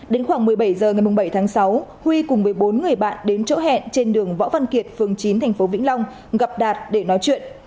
đến khoảng một mươi bảy h ngày bảy tháng sáu huy cùng với bốn người bạn đến chỗ hẹn trên đường võ văn kiệt phường chín tp vĩnh long gặp đạt để nói chuyện